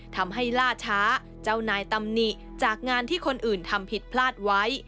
ล่าช้าเจ้านายตำหนิจากงานที่คนอื่นทำผิดพลาดไว้